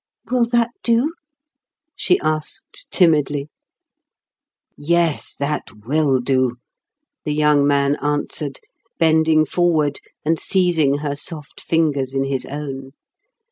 "Will that do?" she asked timidly. "Yes, that will do," the young man answered, bending forward and seizing her soft fingers in his own.